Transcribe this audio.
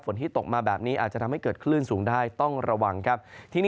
ที่ตกมาแบบนี้อาจจะทำให้เกิดคลื่นสูงได้ต้องระวังครับ